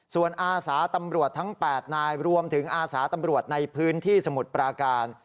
ส่วนอาสาตำรวจทั้ง๘นายรวมถึงอาสาตำรวจในพื้นที่สมุทรปราการ